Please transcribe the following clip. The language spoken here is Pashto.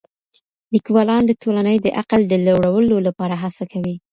ليکوالان د ټولني د عقل د لوړولو لپاره هڅه کوي.